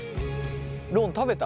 ロン食べた？